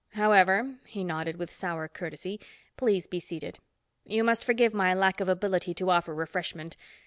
However," he nodded with sour courtesy, "please be seated. You must forgive my lack of ability to offer refreshment.